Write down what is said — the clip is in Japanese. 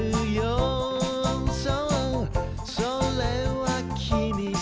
「それはきみさ」